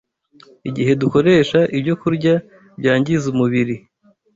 igihe dukoresha ibyokurya byangiza umubiri